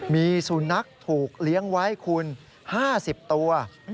มีสุนัขถูกเลี้ยงไว้คุณ๕๐ตัว